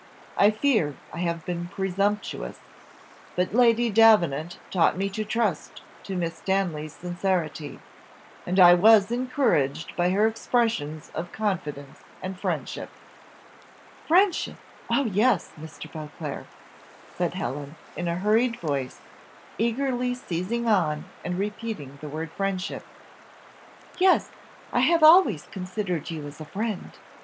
I fear I have been presumptuous, but Lady Davenant taught me to trust to Miss Stanley's sincerity, and I was encouraged by her expressions of confidence and friendship." "Friendship! Oh, yes! Mr. Beauclerc," said Helen, in a hurried voice, eagerly seizing on and repeating the word friendship; "yes, I have always considered you as a friend.